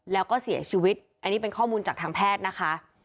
แล้วก็เสียชีวิตอันนี้เป็นข้อมูลจากทางแพทย์นะคะ